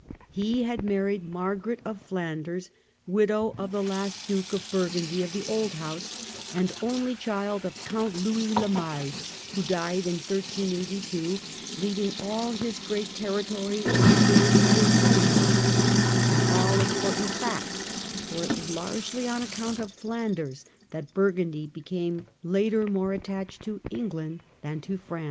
He had married Margaret of Flanders, widow of the last Duke of Burgundy of the old house, and only child of Count Louis le Male, who died in 1382, leaving all his great territories in the hands of his son in law ; an all important fact, for it was largely on account of Flanders that Burgundy became later more attached to England than to France.